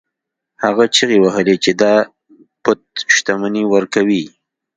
هغه چیغې وهلې چې دا بت شتمني ورکوي.